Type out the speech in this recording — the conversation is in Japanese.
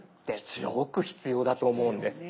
すごく必要だと思うんです。